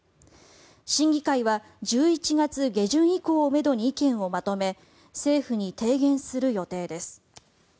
審議会は１１月下旬以降をめどに意見をまとめ政府に提言する予定です。